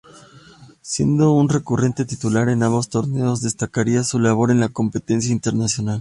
Siendo un recurrente titular en ambos torneos, destacaría su labor en la competencia internacional.